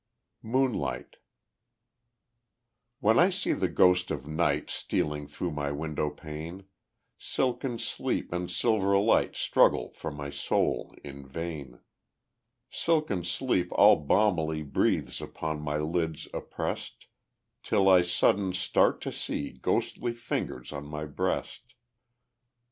Moonlight When I see the ghost of night Stealing through my window pane, Silken sleep and silver light Struggle for my soul in vain; Silken sleep all balmily Breathes upon my lids oppressed, Till I sudden start to see Ghostly fingers on my breast.